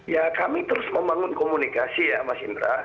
ya kami terus membangun komunikasi ya mas indra